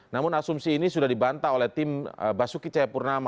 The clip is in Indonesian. namun asumsi ini sudah dibantah oleh tim basuki cahayapurnama